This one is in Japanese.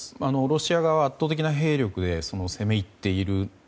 ロシア側は圧倒的な兵力で攻め入っている。